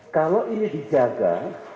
kalau ini dijaga